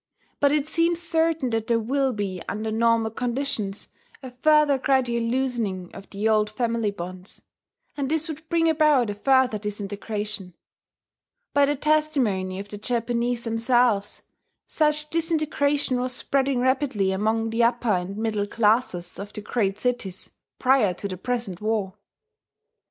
But it seems certain that there will be, under normal conditions, a further gradual loosening of the old family bonds; and this would bring about a further disintegration. By the testimony of the Japanese themselves, such disintegration was spreading rapidly among the upper and middle classes of the great cities, prior to the present war.